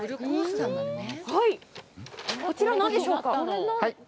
こちら、何でしょうか。